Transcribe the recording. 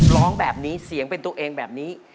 ร้องแบบนี้เสียงเป็นตัวเองแบบนี้